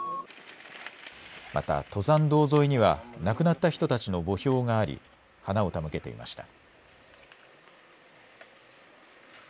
また登山道沿いには亡くなった人たちの墓標があり花を手向けていました。